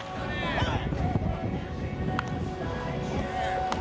はい！